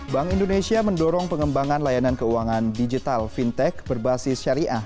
bank indonesia mendorong pengembangan layanan keuangan digital fintech berbasis syariah